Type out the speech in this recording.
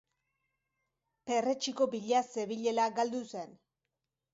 Perretxiko bila zebilela galdu zen.